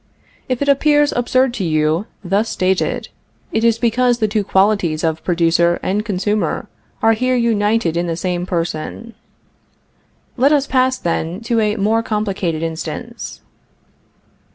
If it appears absurd to you, thus stated, it is because the two qualities of producer and consumer are here united in the same person. Let us pass, then, to a more complicated instance.